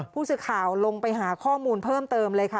ผู้สื่อข่าวลงไปหาข้อมูลเพิ่มเติมเลยค่ะ